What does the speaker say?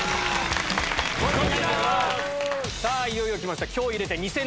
さぁいよいよ来ました。